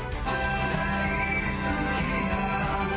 「大好きな」